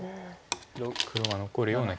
黒が残るような気も。